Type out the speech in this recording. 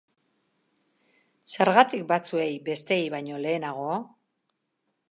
Zergatik batzuei besteei baino lehenago?